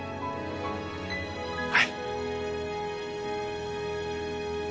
はい。